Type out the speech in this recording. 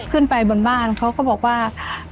ขึ้นไปบนบ้านเขาก็บอกว่า